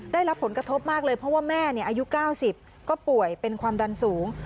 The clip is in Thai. ได้รับผลกระทบมากเลยเพราะว่าแม่อายุ๙๐ก็ป่วยเป็นความดันสูง